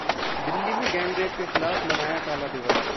दिल्ली में गैंगरेप के खिलाफ मनाया काला दिवस